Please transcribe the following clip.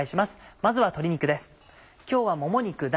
まずは鶏肉です。